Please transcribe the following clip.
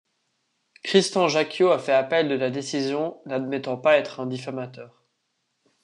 Christian Jacquiau a fait appel de la décision, n'admettant pas être un diffamateur.